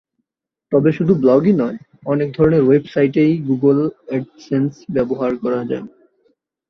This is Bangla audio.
তবে শুধু ব্লগই নয়, অনেক ধরনের ওয়েবসাইটেই গুগল অ্যাডসেন্স ব্যবহার করা যায়।